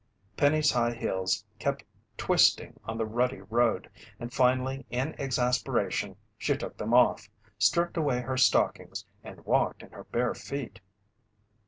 Penny's high heels kept twisting on the rutty road, and finally in exasperation, she took them off, stripped away her stockings, and walked in her bare feet.